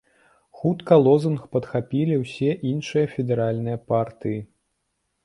Хутка лозунг падхапілі ўсе іншыя федэральныя партыі.